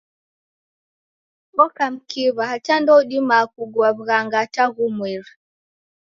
Oka mkiw'a hata ndoudima kugua w'ughanga hata ghumweri.